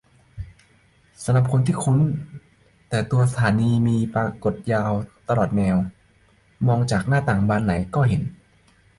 สำหรับคนที่คุ้น และตัวชื่อสถานีมีปรากฏยาวตลอดแนว มองจากหน้าต่างบานไหนก็เห็น